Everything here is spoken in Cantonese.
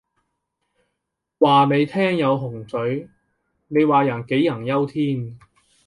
話你聽有洪水，你話人杞人憂天